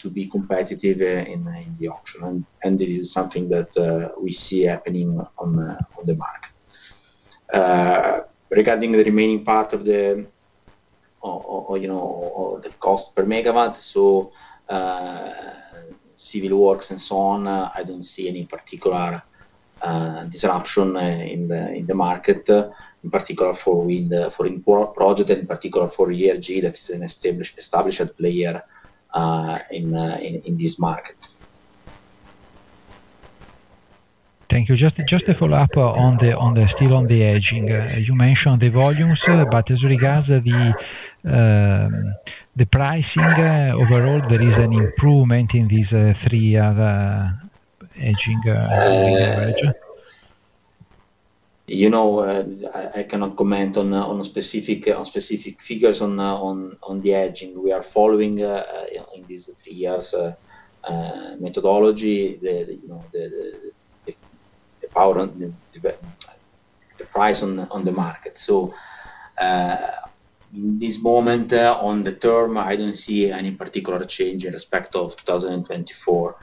to be competitive in the auction. This is something that we see happening on the market. Regarding the remaining part of the cost per megawatt, so civil works and so on, I do not see any particular disruption in the market, in particular for wind projects and in particular for ERG that is an established player in this market. Thank you. Just a follow-up on still on the hedging. You mentioned the volumes, but as regards the pricing overall, is there an improvement in this three-year hedging coverage? I cannot comment on specific figures on the hedging. We are following in these three years methodology the price on the market. In this moment, on the term, I do not see any particular change in respect of 2024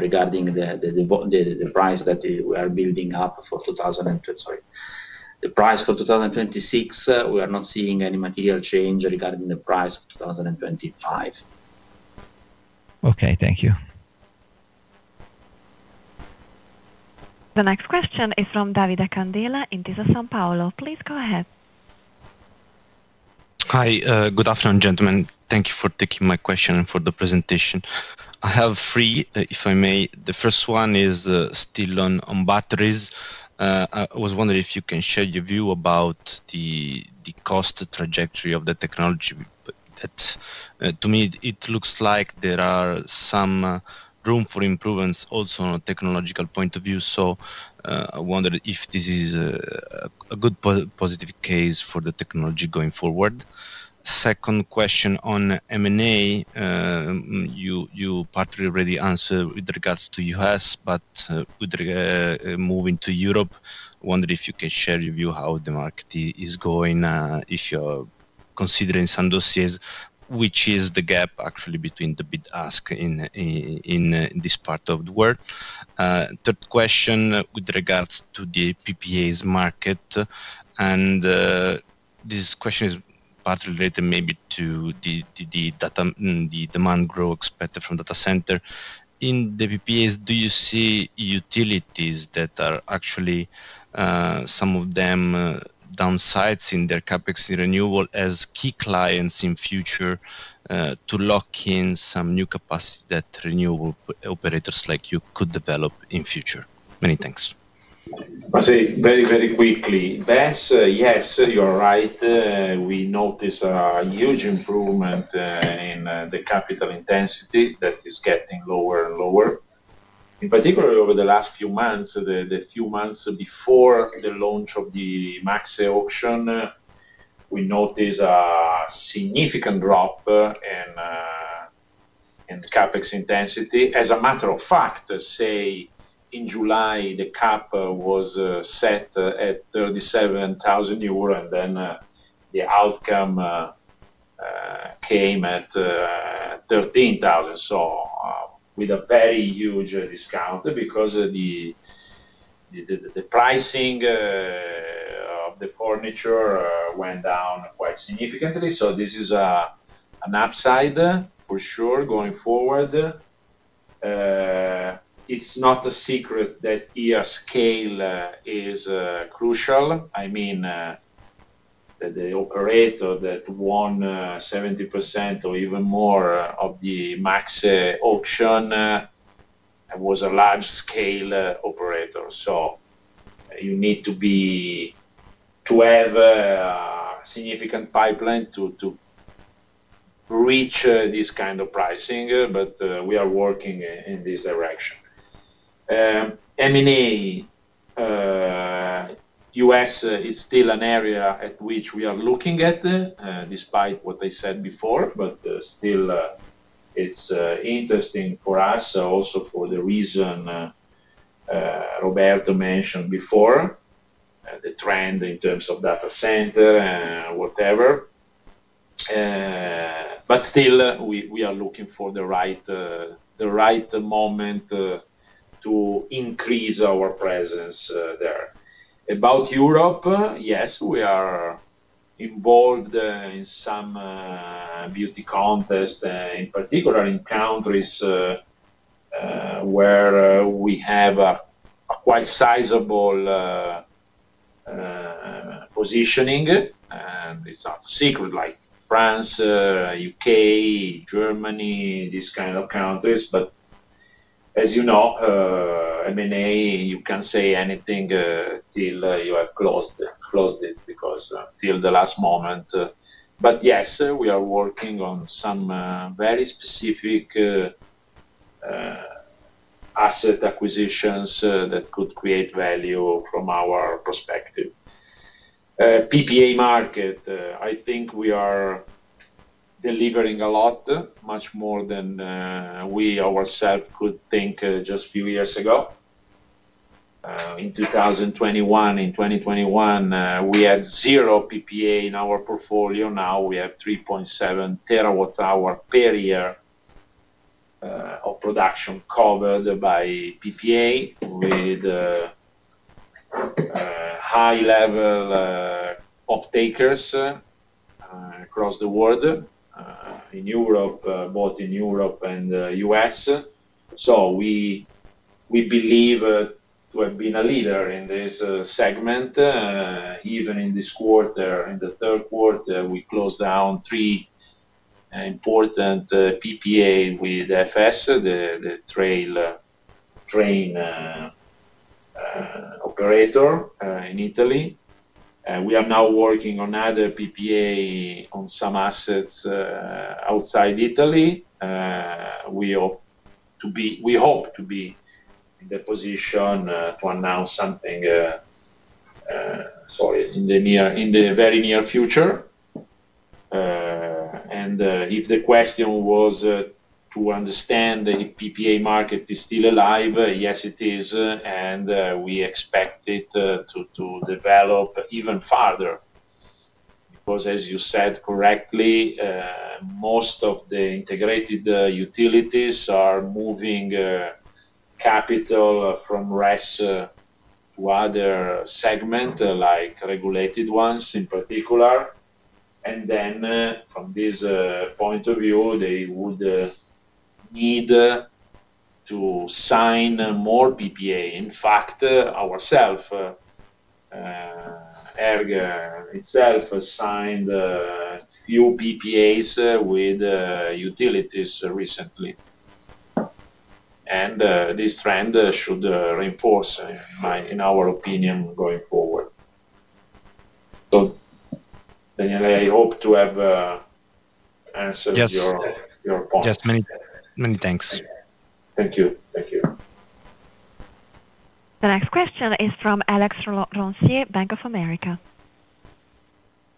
regarding the price that we are building up for 2020. Sorry. The price for 2026, we are not seeing any material change regarding the price of 2025. Okay. Thank you. The next question is from Davide Candela in Intesa Sanpaolo. Please go ahead. Hi. Good afternoon, gentlemen. Thank you for taking my question for the presentation. I have three, if I may. The first one is still on batteries. I was wondering if you can share your view about the cost trajectory of the technology. To me, it looks like there are some room for improvements also on a technological point of view. I wondered if this is a good positive case for the technology going forward. Second question on M&A. You partly already answered with regards to U.S., but moving to Europe, I wonder if you can share your view how the market is going if you're considering some dossiers, which is the gap actually between the bid-ask in this part of the world. Third question with regards to the PPAs market. This question is partly related maybe to the demand growth expected from data center. In the PPAs, do you see utilities that are actually some of them downsizing their CapEx renewal as key clients in future to lock in some new capacity that renewal operators like you could develop in future? Many thanks. I say very, very quickly. Yes, you're right. We notice a huge improvement in the capital intensity that is getting lower and lower. In particular, over the last few months, the few months before the launch of the MACSE auction, we notice a significant drop in CapEx intensity. As a matter of fact, say, in July, the cap was set at 37,000 euro, and then the outcome came at 13,000. With a very huge discount because the pricing of the furniture went down quite significantly. This is an upside for sure going forward. It's not a secret that scale is crucial. I mean, the operator that won 70% or even more of the MACSE auction was a large-scale operator. You need to have a significant pipeline to reach this kind of pricing, but we are working in this direction. M&A U.S. is still an area at which we are looking at despite what I said before, but still it's interesting for us also for the reason Roberto mentioned before, the trend in terms of data center and whatever. Still, we are looking for the right moment to increase our presence there. About Europe, yes, we are involved in some beauty contests, in particular in countries where we have a quite sizable positioning. It's not a secret like France, U.K., Germany, these kind of countries. As you know, M&A, you can't say anything till you have closed it because till the last moment. Yes, we are working on some very specific asset acquisitions that could create value from our perspective. PPA market, I think we are delivering a lot, much more than we ourselves could think just a few years ago. In 2021, we had zero PPA in our portfolio. Now we have 3.7 TWh per year of production covered by PPA with high-level off-takers across the world, both in Europe and U.S. We believe to have been a leader in this segment. Even in this quarter, in the third quarter, we closed down three important PPA with FS, the train operator in Italy. We are now working on other PPA on some assets outside Italy. We hope to be in the position to announce something, sorry, in the very near future. If the question was to understand if PPA market is still alive, yes, it is. We expect it to develop even farther because, as you said correctly, most of the integrated utilities are moving capital from RES to other segments like regulated ones in particular. From this point of view, they would need to sign more PPAs. In fact, ourselves, ERG itself signed a few PPAs with utilities recently. This trend should reinforce, in our opinion, going forward. Davide, I hope to have answered your point. Yes, many thanks. Thank you. Thank you. The next question is from Alexandre Roncier, Bank of America.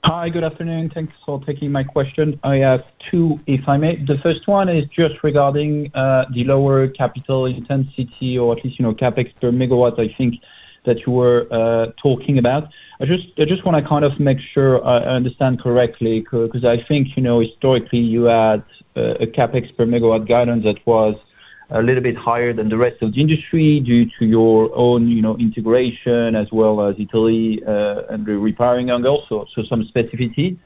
Hi. Good afternoon. Thanks for taking my question. I have two, if I may. The first one is just regarding the lower capital intensity or at least CapEx per megawatt, I think, that you were talking about. I just want to kind of make sure I understand correctly because I think historically you had a CapEx per megawatt guidance that was a little bit higher than the rest of the industry due to your own integration as well as Italy and the repowering angle, so some specificities.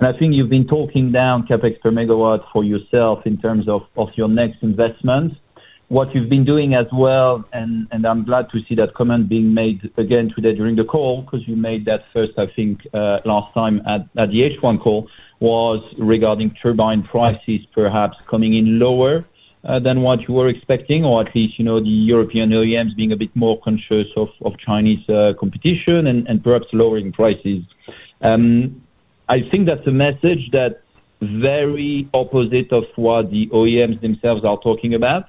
I think you've been talking down CapEx per megawatt for yourself in terms of your next investment. What you've been doing as well, and I'm glad to see that comment being made again today during the call because you made that first, I think, last time at the H1 call was regarding turbine prices perhaps coming in lower than what you were expecting, or at least the European OEMs being a bit more conscious of Chinese competition and perhaps lowering prices. I think that's a message that's very opposite of what the OEMs themselves are talking about.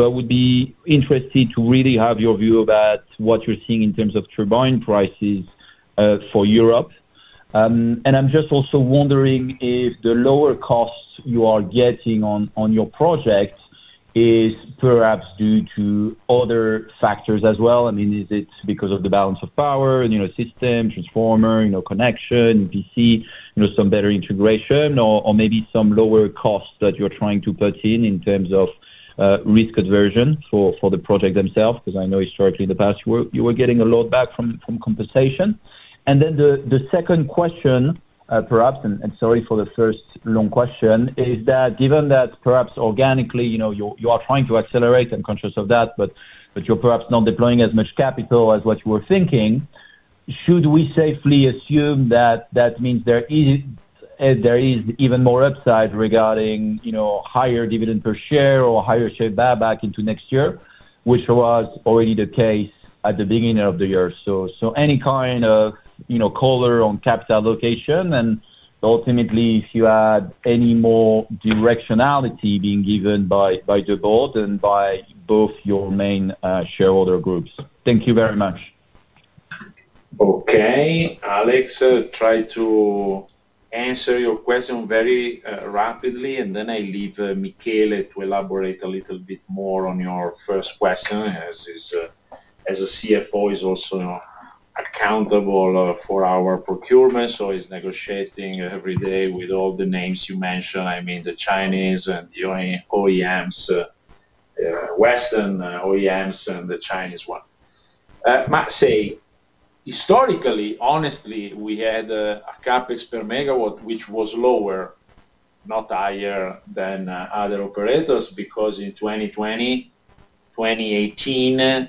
I would be interested to really have your view about what you're seeing in terms of turbine prices for Europe. I'm just also wondering if the lower costs you are getting on your project is perhaps due to other factors as well. I mean, is it because of the balance of power, system transformer, connection, EPC, some better integration, or maybe some lower costs that you're trying to put in in terms of risk aversion for the project themselves? Because I know historically in the past, you were getting a lot back from compensation. The second question, perhaps, and sorry for the first long question, is that given that perhaps organically you are trying to accelerate and conscious of that, but you're perhaps not deploying as much capital as what you were thinking, should we safely assume that that means there is even more upside regarding higher dividend per share or higher share buyback into next year, which was already the case at the beginning of the year? Any kind of color on capital allocation and ultimately if you had any more directionality being given by the board and by both your main shareholder groups. Thank you very much. Okay. Alex, try to answer your question very rapidly, and then I leave Michele to elaborate a little bit more on your first question. As a CFO, he's also accountable for our procurement, so he's negotiating every day with all the names you mentioned. I mean, the Chinese and the OEMs, Western OEMs and the Chinese one. MACSE, historically, honestly, we had a CapEx per megawatt which was lower, not higher than other operators because in 2020, 2018,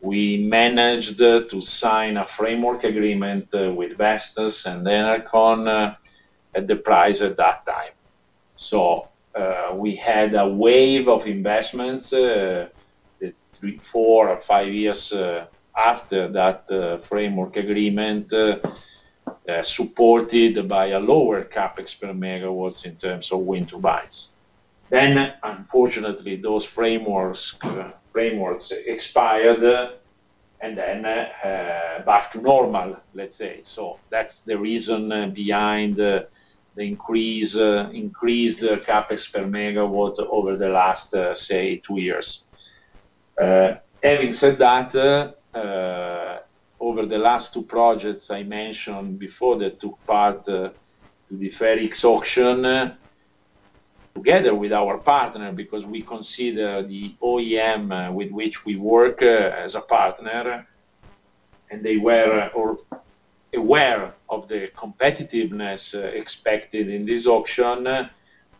we managed to sign a framework agreement with Vestas and Enercon at the price at that time. We had a wave of investments three, four, or five years after that framework agreement supported by a lower CapEx per megawatt in terms of wind turbines. Unfortunately, those frameworks expired and then back to normal, let's say. That's the reason behind the increased CapEx per megawatt over the last, say, two years. Having said that, over the last two projects I mentioned before that took part in the FERX auction together with our partner, because we consider the OEM with which we work as a partner, and they were aware of the competitiveness expected in this auction,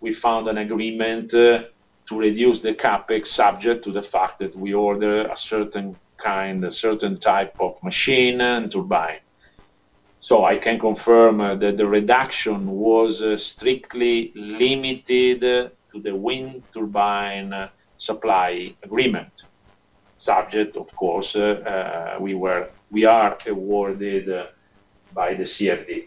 we found an agreement to reduce the CapEx subject to the fact that we order a certain type of machine and turbine. I can confirm that the reduction was strictly limited to the wind turbine supply agreement, subject, of course, to us being awarded by the CFD.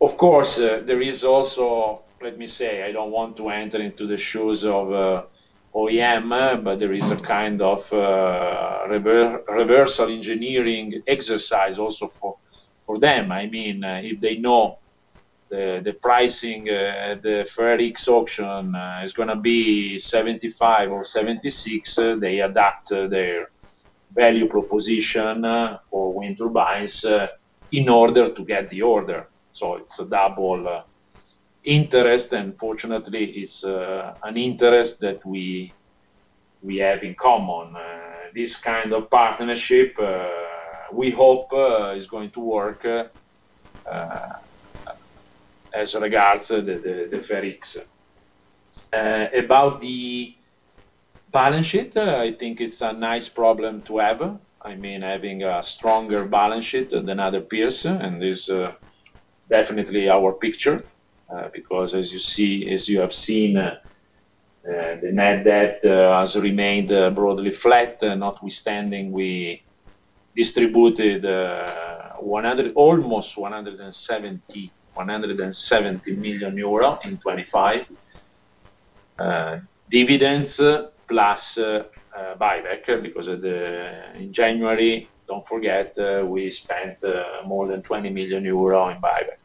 Of course, there is also, let me say, I don't want to enter into the shoes of the OEM, but there is a kind of reverse engineering exercise also for them. I mean, if they know the pricing at the FERX auction is going to be 75 or 76, they adapt their value proposition for wind turbines in order to get the order. It is a double interest, and fortunately, it is an interest that we have in common. This kind of partnership, we hope, is going to work as regards the FERX. About the balance sheet, I think it is a nice problem to have. I mean, having a stronger balance sheet than other peers, and this is definitely our picture because, as you have seen, the net debt has remained broadly flat, notwithstanding we distributed almost EUR 170 million in 2025, dividends plus buyback because in January, do not forget, we spent more than 20 million euro in buyback.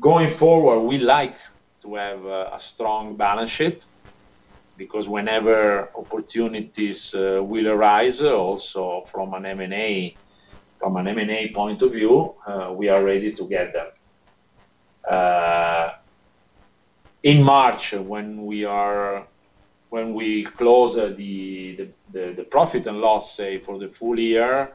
Going forward, we like to have a strong balance sheet because whenever opportunities will arise, also from an M&A point of view, we are ready to get them. In March, when we close the profit and loss, say, for the full year,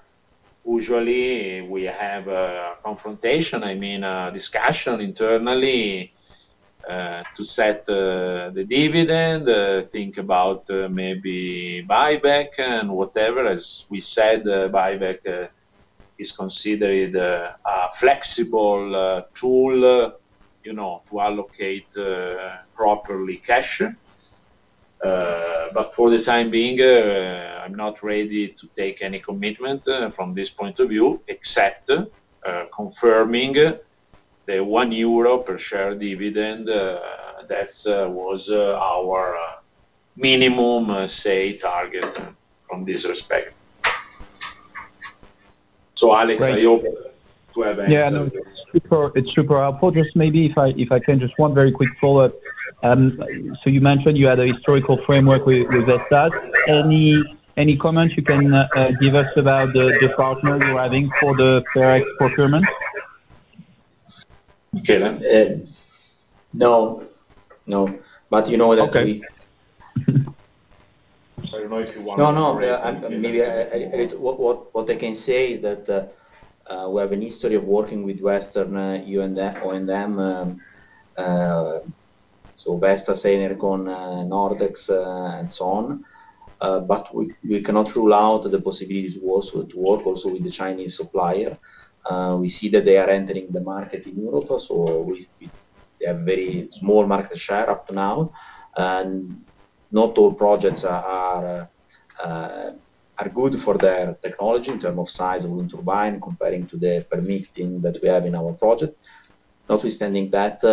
usually we have a confrontation, I mean, a discussion internally to set the dividend, think about maybe buyback and whatever. As we said, buyback is considered a flexible tool to allocate properly cash. For the time being, I'm not ready to take any commitment from this point of view except confirming the 1 euro per share dividend. That was our minimum, say, target from this respect. Alex, I hope to have answered. Yeah. It's super helpful. Just maybe if I can just one very quick follow-up. You mentioned you had a historical framework with Vestas. Any comments you can give us about the partners you're having for the FERX procurement? Okay. No. No. But you know that we. Okay. I don't know if you want to. No, no. What I can say is that we have a history of working with Western O&M, so Vestas, Enercon Nordics, and so on. We cannot rule out the possibility to work also with the Chinese supplier. We see that they are entering the market in Europe, so they have a very small market share up to now. Not all projects are good for their technology in terms of size of wind turbine comparing to the permitting that we have in our project. Notwithstanding that,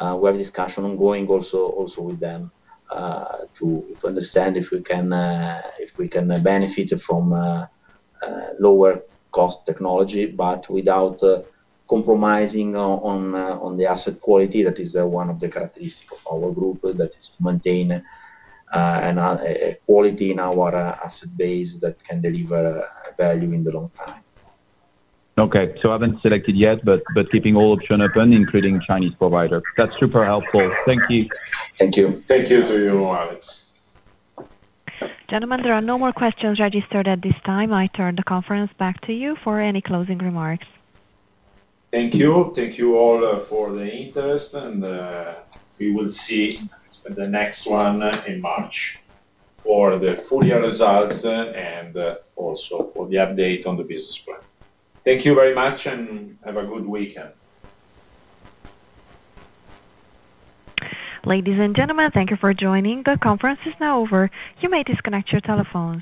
we have a discussion ongoing also with them to understand if we can benefit from lower-cost technology but without compromising on the asset quality. That is one of the characteristics of our group, that is to maintain quality in our asset base that can deliver value in the long time. Okay. I haven't selected yet, but keeping all options open, including Chinese providers. That's super helpful. Thank you. Thank you. Thank you to you, Alex. Gentlemen, there are no more questions registered at this time. I turn the conference back to you for any closing remarks. Thank you. Thank you all for the interest, and we will see the next one in March for the full year results and also for the update on the business plan. Thank you very much, and have a good weekend. Ladies and gentlemen, thank you for joining. The conference is now over. You may disconnect your telephones.